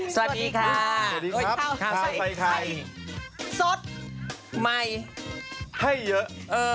สวัสดีค่ะสวัสดีครับข้าวใส่ไข่สดใหม่ให้เยอะ